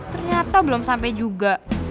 ternyata belum sampe juga